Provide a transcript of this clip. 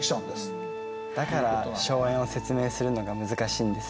だから荘園を説明するのが難しいんですね。